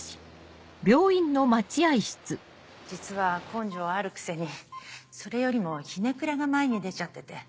実は根性あるくせにそれよりもひねくれが前に出ちゃってて。